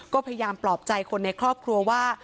ก็พยายามปลอบใจคนในครอบครัวว่า